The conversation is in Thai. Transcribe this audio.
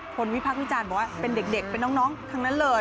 คนวิพากษ์วิจารณ์บอกว่าเป็นเด็กตรงนั้นเลย